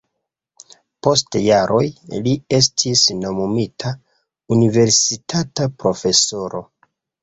Post jaroj li estis nomumita universitata profesoro.